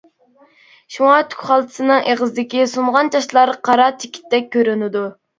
شۇڭا تۈك خالتىسىنىڭ ئېغىزدىكى سۇنغان چاچلار قارا چېكىتتەك كۆرۈنىدۇ.